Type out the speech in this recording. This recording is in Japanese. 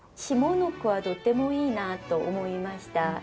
下の句はとってもいいなと思いました。